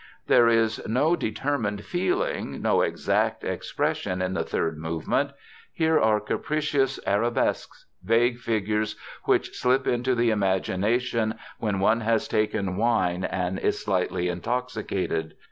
"There is no determined feeling, no exact expression in the third movement. Here are capricious arabesques, vague figures which slip into the imagination when one has taken wine and is slightly intoxicated.